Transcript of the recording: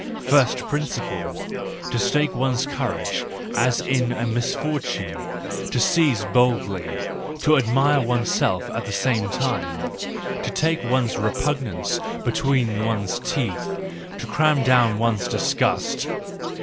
First principle : to stake one's courage as in a misfortune, to seize boldly, to admire oneself at the same time, to take one's repugnance between one's teeth, to cram down one's disgust.